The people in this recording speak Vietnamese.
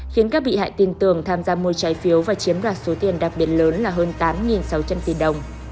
khiến các bị hại tin tưởng tham gia mua trái phiếu và chiếm đoạt số tiền đặc biệt lớn là hơn tám sáu trăm linh tỷ đồng